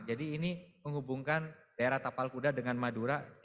jadi ini menghubungkan daerah tapal kuda dengan madura